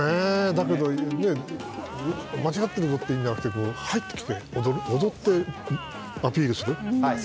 だけど間違っているぞって言うんじゃなくて、入ってきて踊ってアピールする。